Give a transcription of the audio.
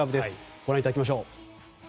ご覧いただきましょう。